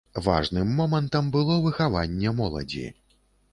Важным момантам было выхаванне моладзі.